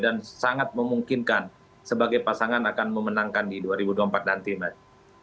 dan sangat memungkinkan sebagai pasangan akan memenangkan di dua ribu dua puluh empat nanti mas